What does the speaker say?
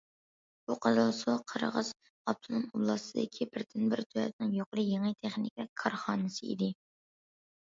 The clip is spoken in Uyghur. بۇ، قىزىلسۇ قىرغىز ئاپتونوم ئوبلاستىدىكى بىردىنبىر دۆلەتنىڭ يۇقىرى، يېڭى تېخنىكىلىق كارخانىسى ئىدى.